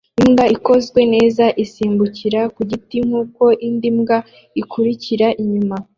Imbwa ikozwe neza isimbukira ku giti nkuko indi mbwa ikurikira inyuma